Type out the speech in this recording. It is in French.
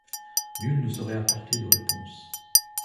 Nul ne saurait apporter de réponse.